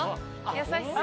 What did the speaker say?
優しそう。